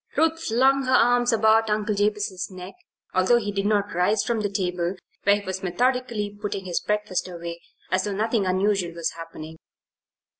Ruth flung her arms about Uncle Jabez's neck, although he did not rise from the table where he was methodically putting his breakfast away as though nothing unusual was happening.